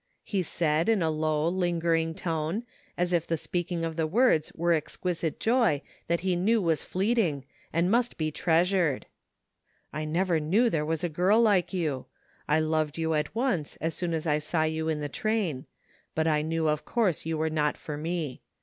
he said, in a low, lingering tone, as if the speaking of the words were exquisite joy that he knew was fleeting and must be treasured " I never knew there was a girl like yoa I loved you at once as soon as I saw you in the train — but I knew, of course, you were not for me.